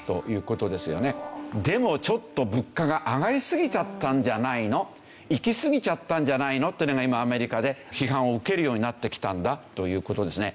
でもちょっと物価が上がりすぎちゃったんじゃないのいきすぎちゃったんじゃないのっていうのが今アメリカで批判を受けるようになってきたんだという事ですね。